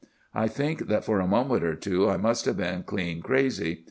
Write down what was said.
I think that for a minute or two I must have been clean crazy.